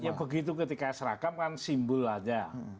ya begitu ketika seragam kan simbol aja